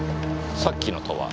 さっきのとは？